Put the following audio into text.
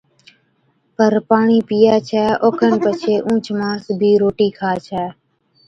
پر پاڻِي پِيئَي ڇَي، اوکن پڇي اُونھچ ماڻس بِي روٽِي کا ڇَي